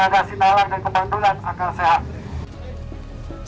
dan generasi malang dan kebandulan agar sehat